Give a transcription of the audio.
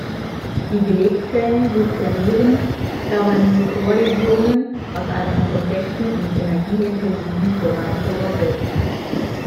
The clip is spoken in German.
Die Belegzellen sezernieren dabei nur Chloridionen, was einen komplexen und energieintensiven Vorgang voraussetzt.